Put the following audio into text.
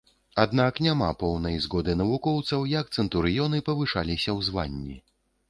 Аднак няма поўнай згоды навукоўцаў як цэнтурыёны павышаліся ў званні.